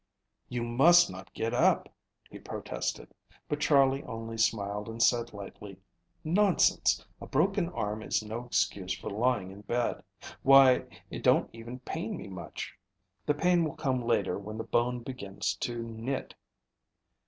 "You must not get up," he protested, but Charley only smiled and said lightly: "Nonsense, a broken arm is no excuse for lying in bed. Why, it don't even pain me much. The pain will come later when the bone begins to knit.